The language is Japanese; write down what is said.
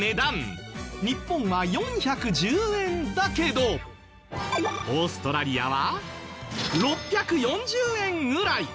日本は４１０円だけどオーストラリアは６４０円ぐらい。